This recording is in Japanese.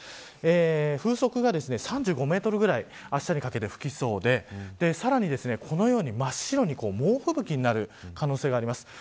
風速が３５メートルぐらいあしたにかけて吹きそうでさらにこのように、真っ白に猛吹雪になる可能性があります。